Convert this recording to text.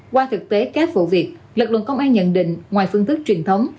qua thực tế các vụ việc lực lượng công an nhận định ngoài phương thức truyền thống